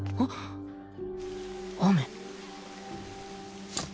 雨